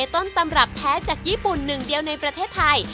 ต้นตำรับแท้จากญี่ปุ่นหนึ่งเดียวในประเทศไทย